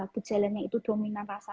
gejalanya itu dominan rasa